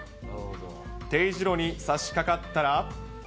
丁字路にさしかかったら。